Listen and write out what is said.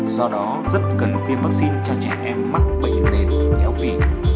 do đó rất cần tiêm vắc xin cho trẻ em mắc bệnh nền béo phì